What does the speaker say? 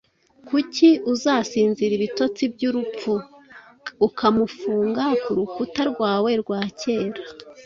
Kuki uzasinzira ibitotsi byurupfu ukamufunga kurukuta rwawe rwa kera?